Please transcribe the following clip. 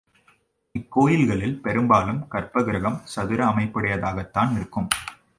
இக்கோயில்களில் பெரும்பாலும் கர்ப்பகிருகம் சதுர அமைப்புடையதாகத்தான் இருக்கும்.